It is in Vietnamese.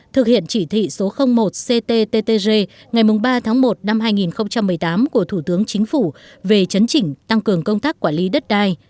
thực hiện chỉ thị số một cttg ngày ba tháng một năm hai nghìn một mươi tám của thủ tướng chính phủ về chấn chỉnh tăng cường công tác quản lý đất đai